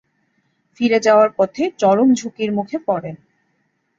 ফিরে যাওয়ার পথে চরম ঝুঁকির মুখে পড়েন।